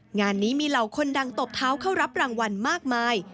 งานนี้มีเหล่าคนดังตบเท้าเข้ารับรางวัลมากมาย